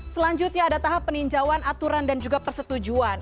selanjutnya ada tahap peninjauan aturan dan juga persetujuan